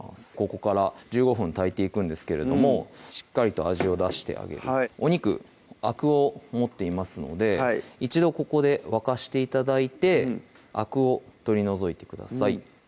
ここから１５分炊いていくんですけれどもしっかりと味を出してあげるお肉あくを持っていますので一度ここで沸かして頂いてあくを取り除いてください